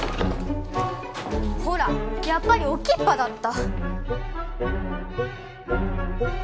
ほらやっぱり置きっぱだった！